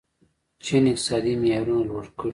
چین اقتصادي معیارونه لوړ کړي.